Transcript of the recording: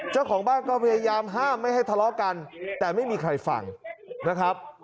เจ้าของบ้านก็พยายามห้ามไม่ให้ทะเลาะกันแต่ไม่มีใครฟังนะครับ